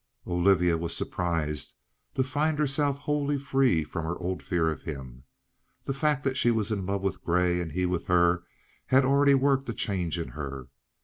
Olivia was surprised to find herself wholly free from her old fear of him. The fact that she was in love with Grey and he with her had already worked a change in her.